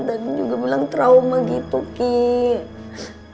dan juga bilang trauma gitu kiki